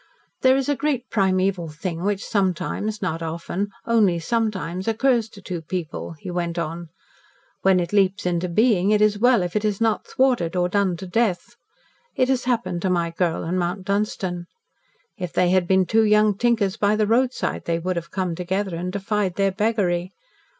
"There is a great primeval thing which sometimes not often, only sometimes occurs to two people," he went on. "When it leaps into being, it is well if it is not thwarted, or done to death. It has happened to my girl and Mount Dunstan. If they had been two young tinkers by the roadside, they would have come together, and defied their beggary.